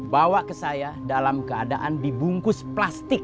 bawa ke saya dalam keadaan dibungkus plastik